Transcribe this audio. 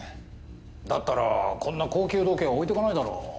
だったらこんな高級時計は置いていかないだろう。